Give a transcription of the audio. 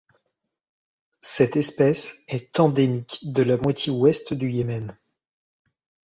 Cette espèce est endémique de la moitié Ouest du Yémen.